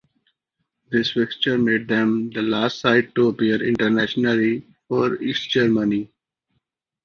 This fixture made them the last side to appear internationally for East Germany.